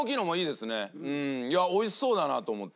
いやおいしそうだなと思って。